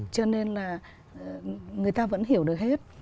cho nên là người ta vẫn hiểu được hết